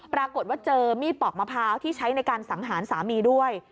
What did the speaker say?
ปรากฏว่าเจอมีดปอกมะพร้าวที่ใช้ในการสังหารสามีด้วย